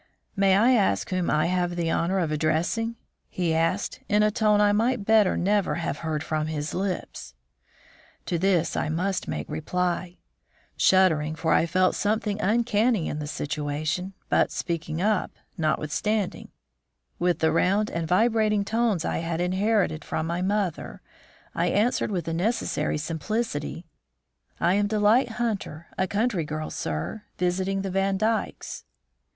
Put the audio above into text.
"May I ask whom I have the honor of addressing?" he asked, in a tone I might better never have heard from his lips. To this I must make reply. Shuddering, for I felt something uncanny in the situation, but speaking up, notwithstanding, with the round and vibrating tones I had inherited from my mother, I answered, with the necessary simplicity: "I am Delight Hunter, a country girl, sir, visiting the Vandykes."